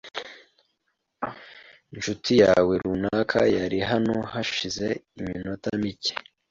Inshuti yawe rukara yari hano hashize iminota mike .